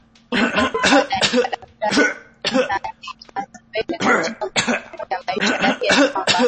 Vivyo hivyo aliandika Daktari Nmandi Azikiwe katika kumbukumbu ya maisha yake ya kwamba